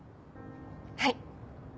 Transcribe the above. はい。